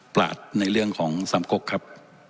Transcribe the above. ปลาดในเรื่องของสำคกครับ